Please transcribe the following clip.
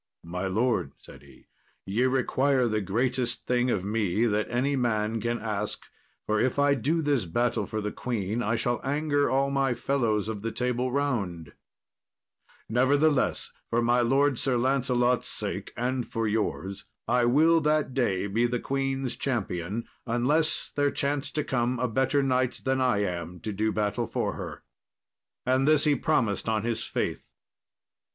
"My lord," said he, "ye require the greatest thing of me that any man can ask, for if I do this battle for the queen I shall anger all my fellows of the Table Round; nevertheless, for my lord Sir Lancelot's sake, and for yours, I will that day be the queen's champion, unless there chance to come a better knight than I am to do battle for her." And this he promised on his faith.